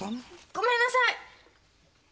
ごめんなさい！